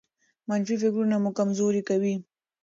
منفي فکرونه مو کمزوري کوي.